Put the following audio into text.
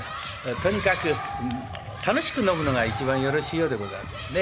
とにかく楽しく飲むのが一番よろしいようでございますですね。